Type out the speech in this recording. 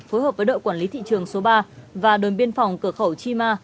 phối hợp với đội quản lý thị trường số ba và đồn biên phòng cửa khẩu chima